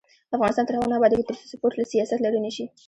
افغانستان تر هغو نه ابادیږي، ترڅو سپورټ له سیاسته لرې نشي.